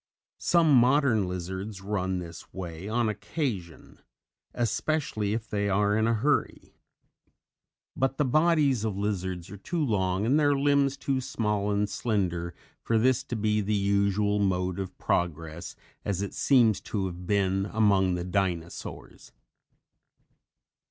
Some modern lizards run this way on occasion, especially if they are in a hurry. But the bodies of lizards are too long and their limbs too small and slender for this to be the usual mode of progress, as it seems to have been among the Dinosaurs.